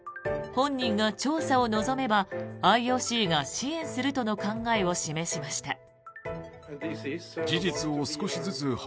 本人が調査を望めばＩＯＣが支援するとの考えを示しました。